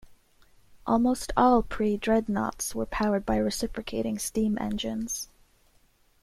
Almost all pre-dreadnoughts were powered by reciprocating steam engines.